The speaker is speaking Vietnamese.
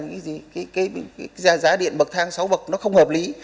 cụ thể nó là cái gì cái giá điện bậc thang sáu bậc nó không hợp lý